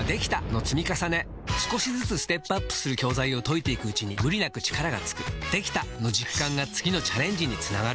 少しずつステップアップする教材を解いていくうちに無理なく力がつく「できた！」の実感が次のチャレンジにつながるよし！